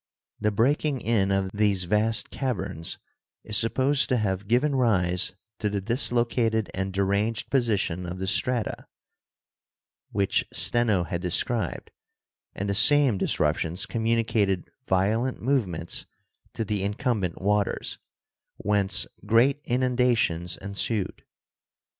The breaking in of these vast caverns is supposed to have given rise to the dislocated and deranged position of the strata, "which Steno had de scribed," and the same disruptions communicated violent movements to the incumbent waters, whence great inun dations ensued.